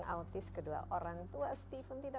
adakah orang tua anda